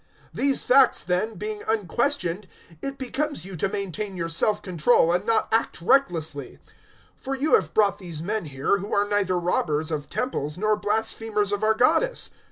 019:036 These facts, then, being unquestioned, it becomes you to maintain your self control and not act recklessly. 019:037 For you have brought these men here, who are neither robbers of temples nor blasphemers of our goddess.